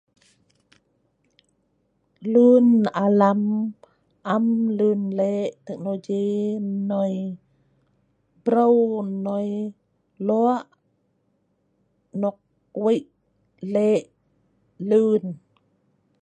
Lun alam am lun lek teknologi nnoi, breu nnoi lok nok wei lek lun